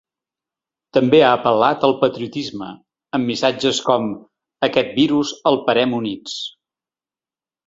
També ha apel·lat al patriotisme, amb missatges com ‘aquest virus el parem units’.